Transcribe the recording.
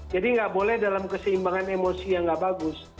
jadi nggak boleh dalam keseimbangan emosi yang nggak bagus